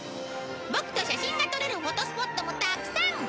ボクと写真が撮れるフォトスポットもたくさん！